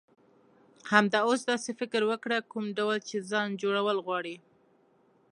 همدا اوس داسی فکر وکړه، کوم ډول چی ځان جوړول غواړی.